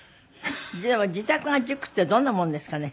でも自宅が塾ってどんなものですかね？